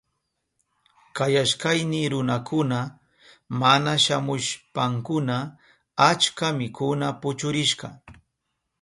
Kayashkayni runakuna mana shamushpankuna achka mikuna puchurishka.